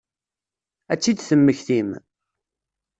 Ad t-id-temmektim?